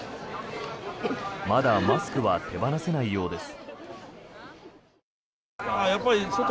まだマスクは手放せないようです。